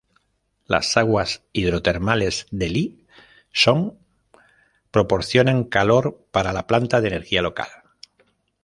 Las aguas hidrotermales de Lý Sơn proporcionan calor para la planta de energía local.